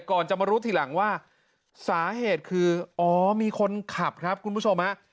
ก่อนจะมารู้ทีหลังว่าสาเหตุคืออ๋อมีคนขับครับคุณผู้ชมฮะ